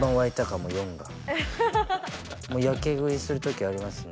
もうやけ食いする時ありますね。